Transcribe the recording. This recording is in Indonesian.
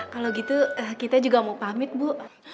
kalau gitu kita juga mau pamit bu